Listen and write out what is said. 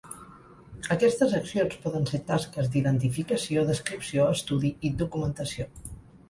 Aquestes accions poden ser tasques d’identificació, descripció, estudi i documentació.